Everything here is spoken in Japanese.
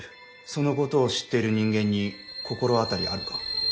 そのことを知っている人間に心当たりあるか？